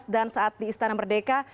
dan saat di istana merdeka